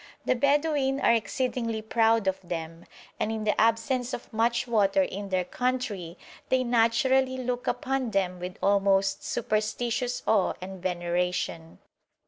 The Bedouin are exceedingly proud of them, and in the absence of much water in their country they naturally look upon them with almost superstitious awe and veneration.